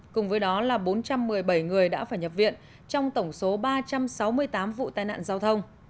cùng với đó là bốn trăm một mươi bảy người đã phải nhập viện trong tổng số ba trăm sáu mươi tám vụ tai nạn giao thông